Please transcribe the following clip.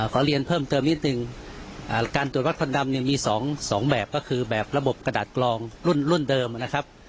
ขอเรียนเพิ่มเติมนิดนึงการตรวจวัดควันดำเนี่ยมี๒แบบก็คือแบบระบบกระดาษกรองรุ่นเดิมนะครับ